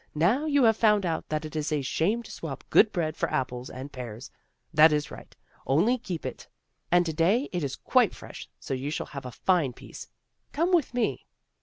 "Now you have found out that it is a shame to swap good bread for apples and pears. That is right; only keep it, and to day 28 THE ROSE CHILD it is quite fresh, so you shall have a fine piece; come with me."